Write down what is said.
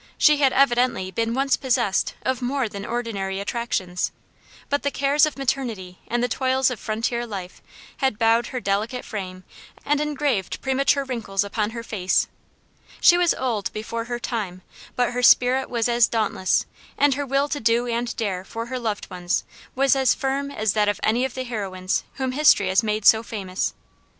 She had evidently been once possessed of more than ordinary attractions; but the cares of maternity and the toils of frontier life had bowed her delicate frame and engraved premature wrinkles upon her face: she was old before her time, but her spirit was as dauntless and her will to do and dare for her loved ones was as firm as that of any of the heroines whom history has made so famous.